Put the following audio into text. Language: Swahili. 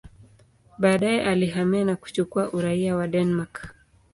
Baadaye alihamia na kuchukua uraia wa Denmark.